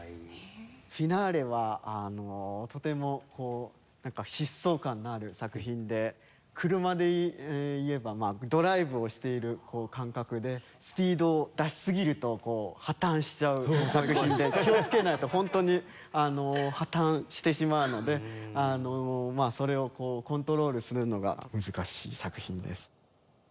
『フィナーレ』はとても疾走感のある作品で車でいえばドライブをしている感覚でスピードを出しすぎると破綻しちゃう作品で気をつけないと本当に破綻してしまうのでそれをコントロールするのが難しい作品です。